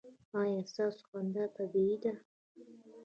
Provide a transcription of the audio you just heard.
ایا ستاسو خندا طبیعي ده؟